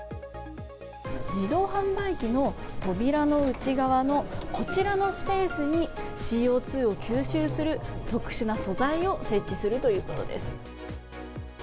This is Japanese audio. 自動販売機の扉の内側のこちらのスペースにＣＯ２を吸収する特殊な素材を設置するということです。